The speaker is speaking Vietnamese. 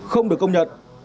không được công nhận